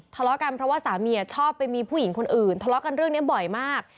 ทะเลาะกันเพราะว่าสามีชอบไปมีผู้หญิงคนอื่นทะเลาะกันเรื่องนี้บ่อยมาก